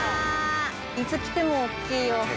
いつ来ても大っきいよ。